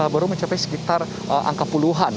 baru mencapai sekitar angka puluhan